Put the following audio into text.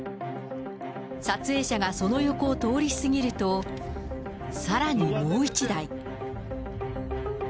撮影者がその横を通り過ぎると、さらにもう１台。